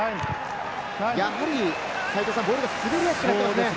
やはりボールが滑りやすくなってますね。